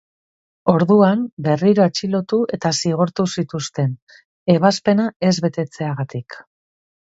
Orduan, berriro atxilotu eta zigortu zituzten, ebazpena ez betetzeagatik.